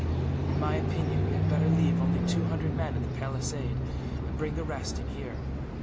In my opinion, we had better leave only two hundred men at the palisade, and bring the rest in here.